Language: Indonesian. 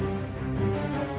ya aku harus berhasil